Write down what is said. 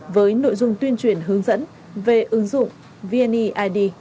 với nội dung tuyên truyền hướng dẫn về ứng dụng vni id